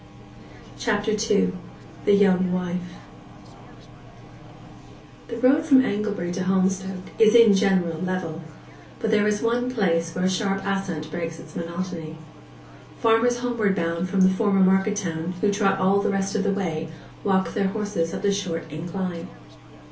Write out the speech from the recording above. CHAPTER II—THE YOUNG WIFE The road from Anglebury to Holmstoke is in general level; but there is one place where a sharp ascent breaks its monotony. Farmers homeward bound from the former market town, who trot all the rest of the way, walk their horses up this short incline.